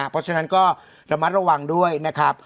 เพราะฉะนั้นก็ระมัดระวังด้วยนะครับ